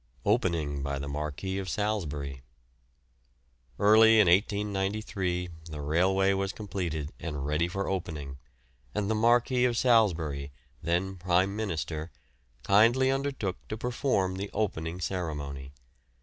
OPENING BY THE MARQUIS OF SALISBURY. Early in 1893 the railway was completed and ready for opening, and the Marquis of Salisbury, then Prime Minister, kindly undertook to perform the opening ceremony.